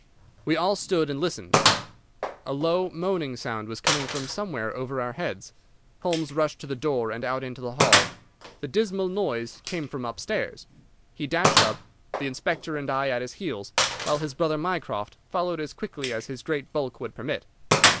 We all stood still and listened. A low moaning sound was coming from somewhere over our heads. Holmes rushed to the door and out into the hall. The dismal noise came from upstairs. He dashed up, the inspector and I at his heels, while his brother Mycroft followed as quickly as his great bulk would permit.